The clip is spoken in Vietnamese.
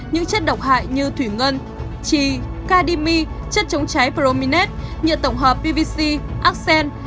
những chất độc hại như thủy ngân chi cadimi chất chống cháy prominet nhựa tổng hợp pvc axen